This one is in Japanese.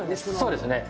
そうですね。